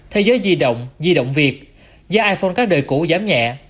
thế giới di động di động việt giá iphone các đời cũ giảm nhẹ